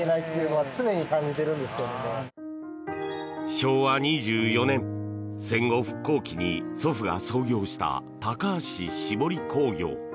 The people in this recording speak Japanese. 昭和２４年、戦後復興期に祖父が創業した高橋しぼり工業。